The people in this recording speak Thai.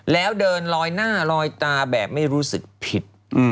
แล้วเดินลอยหน้าลอยตาแบบไม่รู้สึกผิด